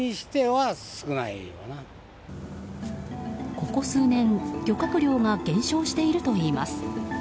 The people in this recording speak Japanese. ここ数年漁獲量が減少しているといいます。